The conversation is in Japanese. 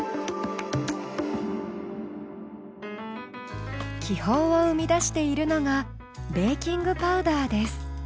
気泡を生み出しているのがベーキングパウダーです。